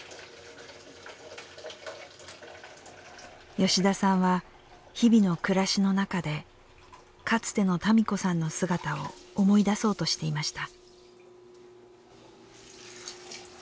吉田さんは日々の暮らしの中でかつての多美子さんの姿を思い出そうとしていました。